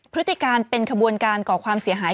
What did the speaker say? พฤติการเป็นขบวนการก่อความเสียหาย